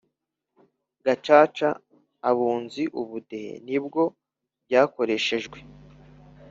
Gacaca Abunzi Ubudehe nibwo byakoreshejwe